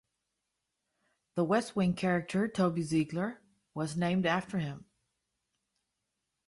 The "West Wing" character Toby Ziegler was named after him.